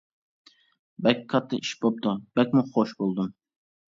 بەك كاتتا ئىش بوپتۇ بەكمۇ خوش بولدۇم.